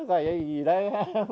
cái gì đấy